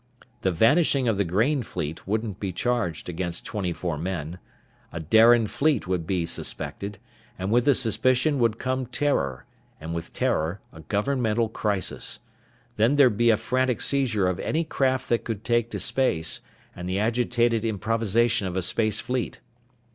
The vanishing of the grain fleet wouldn't be charged against twenty four men. A Darian fleet would be suspected, and with the suspicion would come terror, and with terror a governmental crisis. Then there'd be a frantic seizure of any craft that could take to space, and the agitated improvisation of a space fleet.